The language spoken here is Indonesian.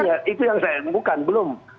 nah intinya itu yang saya bukan belum